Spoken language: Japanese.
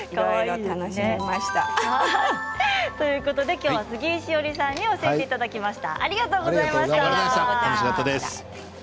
今日は杉井志織さんに教えていただきました。